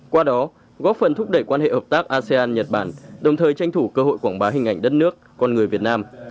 qua đó góp phần thúc đẩy quan hệ hợp tác asean nhật bản đồng thời tranh thủ cơ hội quảng bá hình ảnh đất nước con người việt nam